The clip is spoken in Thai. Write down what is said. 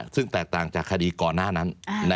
ซึ่งแตกต่างจากคดีก่อนหน้านั้น